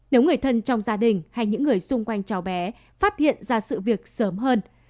nếu người thân trong gia đình hay những người xung quanh cháu bé phát hiện ra sự việc sớm hơn